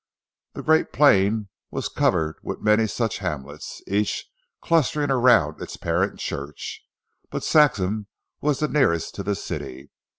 The great plain was covered with many such hamlets, each clustering round its parent church; but Saxham was the nearest to the city.